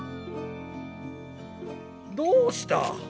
どうした？